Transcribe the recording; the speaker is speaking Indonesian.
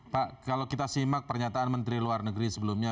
pak kalau kita simak pernyataan menteri luar negeri sebelumnya